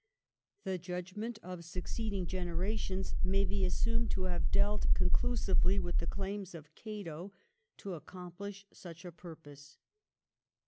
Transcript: The judgment of succeeding generations may be assumed to have dealt conclu sively with the claims of ' Cato ' to accomphsh such a purpose.